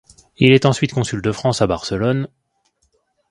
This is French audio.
Il est ensuite Consul de France à Barcelone.